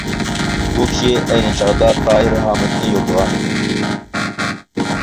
بۇ كىشى ئەينى چاغدا تاھىر ھامۇتنى يوقلىغانىدى.